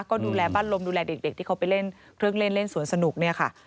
ก็ดูแลบ้านลมดูแลเด็กที่เขาไปเล่นเครื่องเล่นเล่นสวนสนุกเนี่ยค่ะ